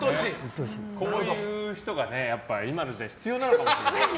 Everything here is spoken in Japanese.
こういう人が今の時代、必要なのかもしれない。